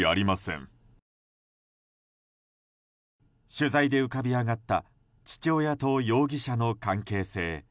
取材で浮かび上がった父親と容疑者の関係性。